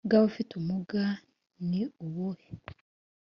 Bw abafite ubumuga ni ubuhe